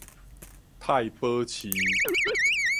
太保市